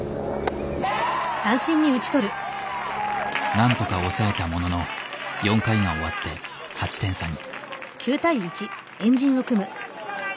なんとか抑えたものの４回が終わって８点差に。